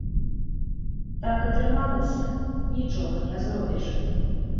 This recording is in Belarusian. Так атрымалася, нічога не зробіш.